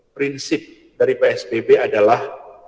prinsip dari psbb adalah